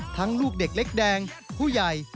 ลูกเด็กเล็กแดงผู้ใหญ่